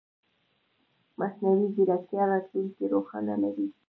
مصنوعي ځیرکتیا راتلونکې روښانه لري.